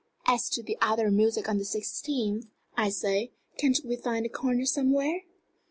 As to the other music on the 16th I say, can't we find a corner somewhere?"